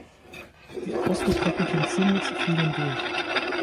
Die ausgekoppelten Singles fielen durch.